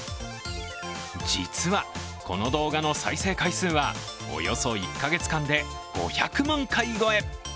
実は、この動画の再生回数はおよそ１カ月間で５００万回超え。